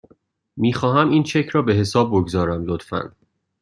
میخواهم این چک را به حساب بگذارم، لطفاً.